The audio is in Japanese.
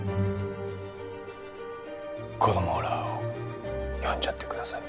子供らを呼んじゃってください。